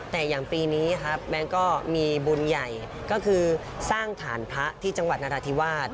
แต่อย่างปีนี้ครับแบงค์ก็มีบุญใหญ่ก็คือสร้างฐานพระที่จังหวัดนราธิวาส